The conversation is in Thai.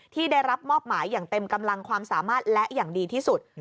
ที่ได้รับมอบหมายอย่างเต็มกำลังความสามารถและอย่างดีที่สุด